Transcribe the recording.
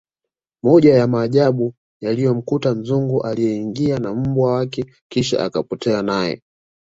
moja ya maajabu yalimkuta mzungu aliye ingia na mbwa wake kisha kapotea naye